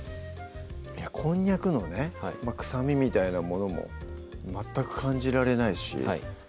こんにゃくのね臭みみたいなものも全く感じられないしはい